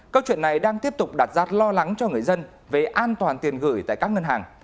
câu chuyện này đang tiếp tục đặt ra lo lắng cho người dân về an toàn tiền gửi tại các ngân hàng